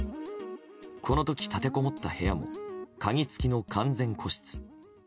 この時、立てこもった部屋も鍵付きの完全個室。